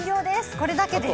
これだけです。